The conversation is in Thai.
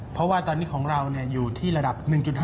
เพราะว่าตอนนี้ของเราอยู่ที่ระดับ๑๕